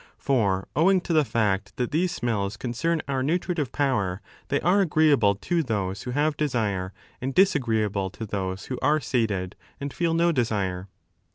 For owing to the fact that these smells concern our nutritive power, thej are agreeable to those who have desire and disagreeable to those who are sated and feel no desire.